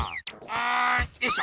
んよいしょ！